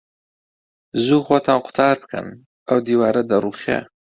زوو خۆتان قوتار بکەن، ئەو دیوارە دەڕووخێ.